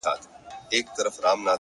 څوک وایي گران دی، څوک وای آسان دی،